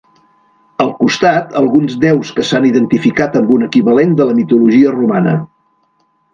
Al costat alguns déus que s'han identificat amb un equivalent de la mitologia romana.